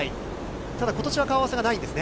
ただことしは顔合わせがないんですね。